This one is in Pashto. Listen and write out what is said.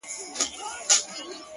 • زه له توره بخته د توبې غیرت نیولی وم,